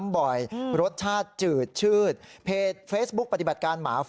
อะไรขาวไปหมดเลยเนี่ยนะฮะ